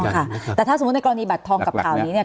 แต่ถ้าสมมุติในกรณีบัตรทองกับข่าวนี้เนี่ย